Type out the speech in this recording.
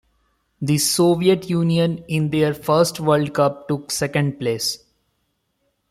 The Soviet Union, in their first World Cup, took second place.